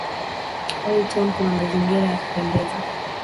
Old Town kuna mazingira ya kupendeza.